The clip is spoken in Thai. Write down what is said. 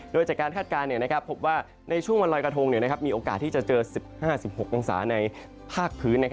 โดยจากการคาดการณ์พบว่าในช่วงวันลอยกระทงมีโอกาสที่จะเจอ๑๕๑๖องศาในภาคพื้น